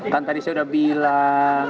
kan tadi saya sudah bilang